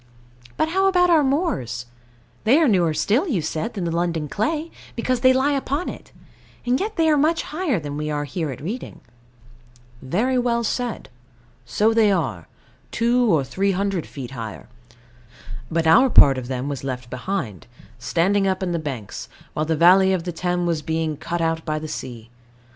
But how about our moors? They are newer still, you said, than the London clay, because they lie upon it: and yet they are much higher than we are here at Reading. Very well said: so they are, two or three hundred feet higher. But our part of them was left behind, standing up in banks, while the valley of the Thames was being cut out by the sea.